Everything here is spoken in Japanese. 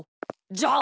じゃあ。